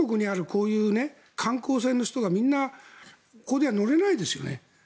こういう観光船の人がみんなこれでは乗れないですよね。